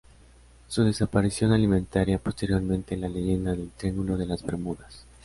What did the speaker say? Su desaparición alimentaría posteriormente la leyenda del Triángulo de las Bermudas.